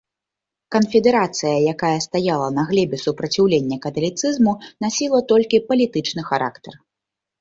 Канфедэрацыя, якая стаяла на глебе супраціўлення каталіцызму, насіла толькі палітычны характар.